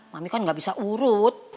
mami kan gak bisa urut